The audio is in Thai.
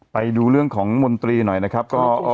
ไปดูเรื่องของมนตรีหน่อยนะครับ